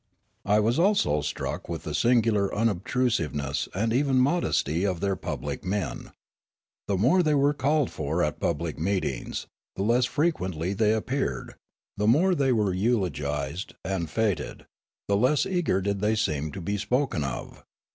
I was also struck with the singular unobtrusiveness and even modesty of their public men ; the more thej' were called for at public meetings, the less frequenth' they appeared; the more they were eulogised and feted, the less eager did they seem to be spoken of.